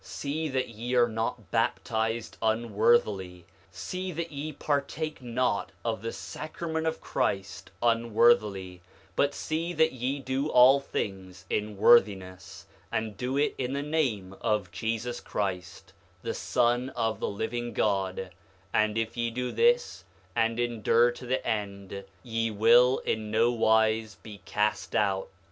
9:29 See that ye are not baptized unworthily; see that ye partake not of the sacrament of Christ unworthily; but see that ye do all things in worthiness, and do it in the name of Jesus Christ, the Son of the living God; and if ye do this, and endure to the end, ye will in nowise be cast out.